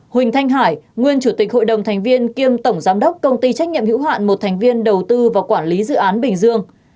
huỳnh thanh hải nguyên chủ tịch hội đồng thành viên kiêm tổng giám đốc công ty trách nhiệm hữu hạn một thành viên đầu tư và quản lý dự án bình dương